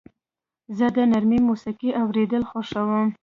زه د نرمې موسیقۍ اورېدل خوښوم.